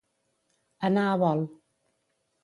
Anar a bol.